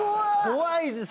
怖いですね。